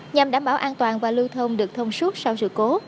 nhằm đảm bảo an toàn và lưu thông được thông suốt sau sự cố